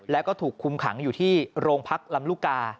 แล้วก็ถูกคุมขังอยู่ที่โรงพักลำลูกกา